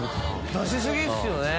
出し過ぎですよね。